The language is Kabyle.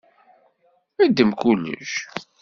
Ddem kullec.